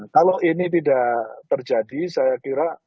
kalau ini tidak terjadi saya kira